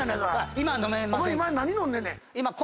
今何飲んでんねん？